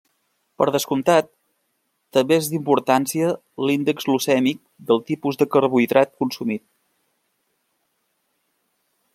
Per descomptat, també és d'importància l'índex glucèmic del tipus de carbohidrat consumit.